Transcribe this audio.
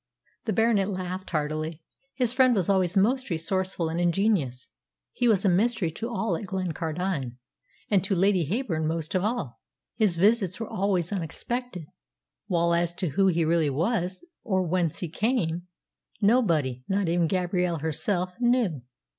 The Baronet laughed heartily. His friend was always most resourceful and ingenious. He was a mystery to all at Glencardine, and to Lady Heyburn most of all. His visits were always unexpected, while as to who he really was, or whence he came, nobody not even Gabrielle herself knew.